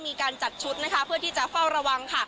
ได้มีการจัดชุดเพื่อที่จะเฝ้าระวัง